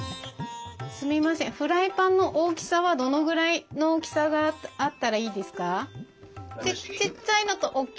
フライパンの大きさはどのぐらいの大きさがあったらいいですか？